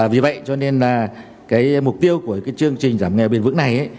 vì vậy mục tiêu của chương trình giảm nghèo bền vững này